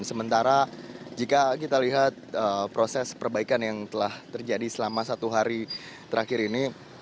sementara jika kita lihat proses perbaikan yang telah terjadi selama satu hari terakhir ini